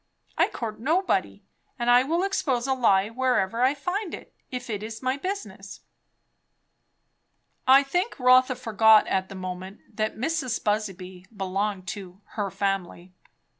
I court nobody. And I will expose a lie wherever I find it, if it's my business." I think Rotha forgot at the moment that Mrs. Busby belonged to "her family."